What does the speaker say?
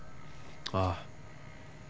ああ。